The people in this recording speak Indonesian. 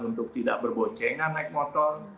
untuk tidak berboncengan naik motor